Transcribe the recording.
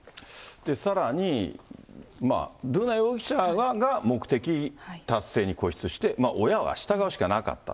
さらに、瑠奈容疑者が目的達成に固執して親は従うしかなかった。